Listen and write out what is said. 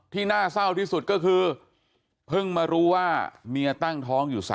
น่าเศร้าที่สุดก็คือเพิ่งมารู้ว่าเมียตั้งท้องอยู่